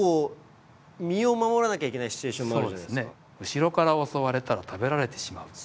後ろから襲われたら食べられてしまう。